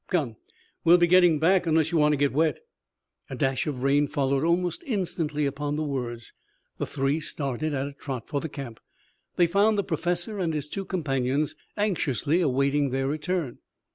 "Come, we'll be getting back unless you want to get wet." A dash of rain followed almost instantly upon the words. The three started at a trot for the camp. They found the Professor and his two companions anxiously awaiting their return.